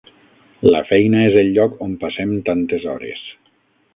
La feina és el lloc on passem tantes hores.